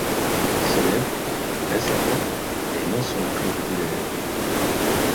Il se lève, baisse la tête, et énonce son accord du bout des lèvres.